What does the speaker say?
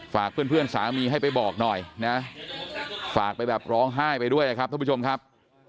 ฝากเพื่อนสามีให้ไปบอกหน่อยนะฝากไปแบบร้องไห้ไปด้วยนะครับท่านผู้ชมครับ